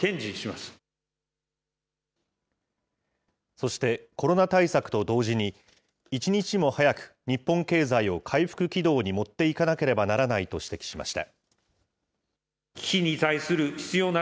そして、コロナ対策と同時に、一日も早く日本経済を回復軌道に持っていかなければならないと指摘しました。